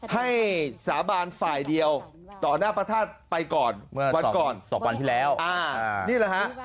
สาบานฝ่ายเดียวต่อหน้าพระธาตุไปก่อนเมื่อวันก่อน๒วันที่แล้วนี่แหละฮะ